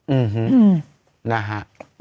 อื้อฮึนะฮะ